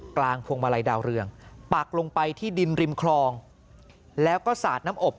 พวงมาลัยดาวเรืองปักลงไปที่ดินริมคลองแล้วก็สาดน้ำอบ